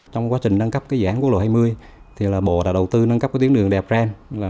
trong quá trình nâng cấp dự án quốc lộ hai mươi bộ đã đầu tư nâng cấp tuyến đường đèo brand